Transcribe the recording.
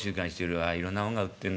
ああいろんなもんが売ってんな。